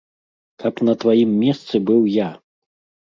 Каб на тваім месцы быў я!